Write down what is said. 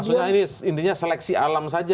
maksudnya ini intinya seleksi alam saja